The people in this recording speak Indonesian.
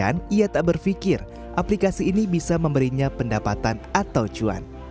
bahkan ia tak berpikir aplikasi ini bisa memberinya pendapatan atau cuan